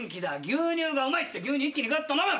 牛乳がうまい」って牛乳一気にぐっと飲む。